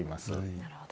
なるほど。